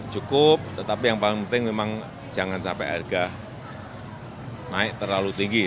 cukup tetapi yang paling penting memang jangan sampai harga naik terlalu tinggi